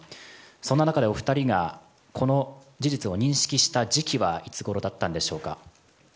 そんな中でお二人がこの事実を認識した時期はいつごろだったんでしょうか。